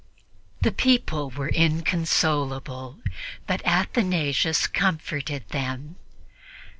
The people were inconsolable, but Athanasius comforted them.